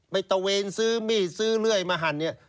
ตะเวนซื้อมีดซื้อเลื่อยมาหั่นเนี่ย